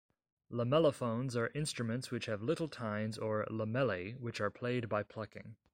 Lamellophones are instruments which have little tines, or "lamellae", which are played by plucking.